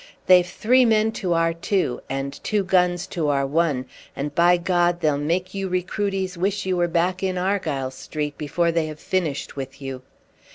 They've three men to our two, and two guns to our one, and, by God! they'll make you recruities wish you were back in Argyle Street before they have finished with you."